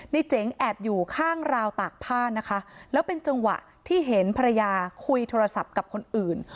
เจ๋งแอบอยู่ข้างราวตากผ้านะคะแล้วเป็นจังหวะที่เห็นภรรยาคุยโทรศัพท์กับคนอื่น